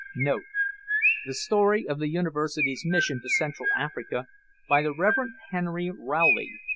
[The Story of the Universities' Mission to Central Africa, by the Reverend Henry Rowley.